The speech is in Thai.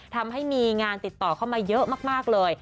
ทำให้มีงานติดต่อเข้ามาเยอะมากเลย